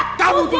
eh kamu tuh rin